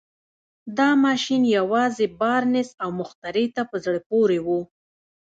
دا ماشين يوازې بارنس او مخترع ته په زړه پورې و.